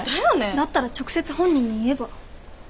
だったら直接本人に言えば？